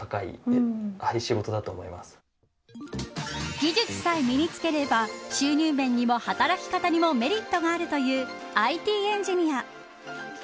技術さえ身に付ければ収入面にも働き方にもメリットがあるというＩＴエンジニア。